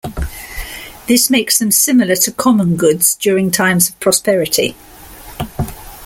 This makes them similar to common goods during times of prosperity.